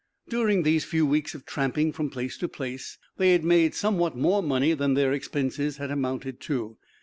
During these few weeks of tramping from place to place they had made somewhat more money than their expenses had amounted to.